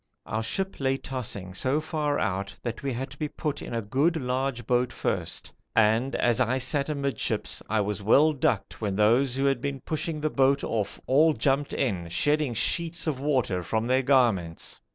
Our ship lay tossing so far out that we had to be put in a good large boat first and as I sat amidships I was well ducked when those who had been pushing the boat off all jumped in, shedding sheets of water from their garments.